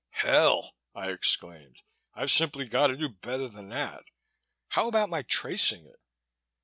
"Hell," I exclaimed, "I've simply got to do better than that. How about my tracing it?"